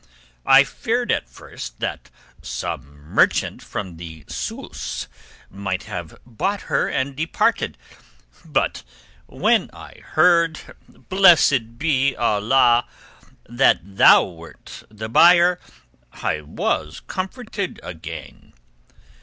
I feared at first that some merchant from the Sus might have bought her and departed; but when I heard—blessed be Allah!—that thou wert the buyer, I was comforted again.